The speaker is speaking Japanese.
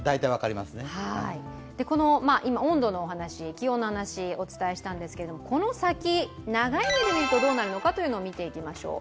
温度のお話、気温のお話をお伝えしたんですけど、この先、長い目で見るとどうなるのかというのを見ていきましょう。